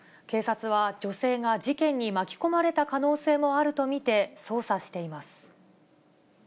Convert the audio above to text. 警察は、女性が事件に巻き込まれた可能性もあると見て、捜査しています。